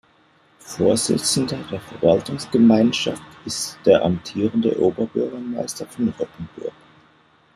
Vorsitzender der Verwaltungsgemeinschaft ist der amtierende Oberbürgermeister von Rottenburg.